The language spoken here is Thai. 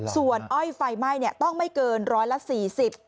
ส่วนอ้อยไฟไหม้เนี่ยต้องไม่เกินร้อยละสี่สิบ